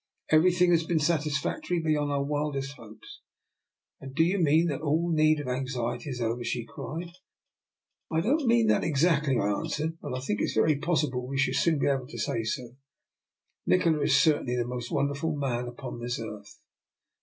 Everything has been satisfactory beyond our wildest hopes." " And do you mean that all need of anx iety is over? " she cried. I do not mean that exactly," I answered. " But I think it very possible we shall soon be able to say so. Nikola is certainly the most wonderful man upon this earth."